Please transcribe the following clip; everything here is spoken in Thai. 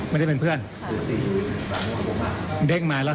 ไม่ครับ